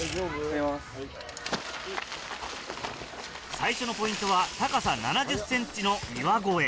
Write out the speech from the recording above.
最初のポイントは高さ７０ｃｍの岩越え。